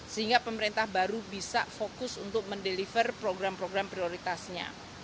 sehingga pemerintah baru bisa fokus untuk mendeliver program program prioritasnya